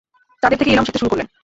তাদের থেকে ইলম শিখতে শুরু করলেন।